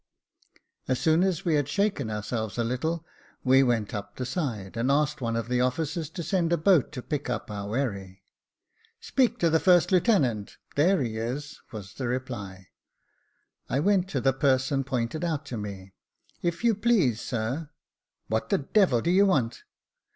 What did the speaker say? As soor. as we had shaken ourselves a little, we went up the side, and asked one of the officers to send a boat to pick up our wherry. "Speak to the first lieutenant — there he is," was the reply. I went up to the person pointed out to me ;" if you please, sir "" What the devil do you want